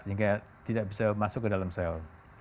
sehingga tidak bisa masuk ke dalam sel